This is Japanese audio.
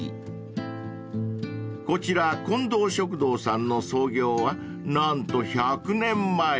［こちらこんどう食堂さんの創業は何と１００年前］